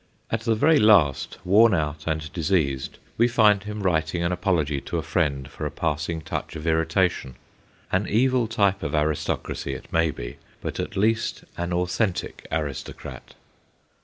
At the very lagt, worn out and diseased, we find him writing an apology to a friend for a passing touch of irritation. An evil type of aristocracy, it may be, but at least an authentic aristocrat.